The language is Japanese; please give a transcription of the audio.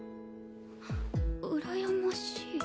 うらやましい？